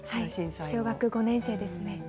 小学５年生です。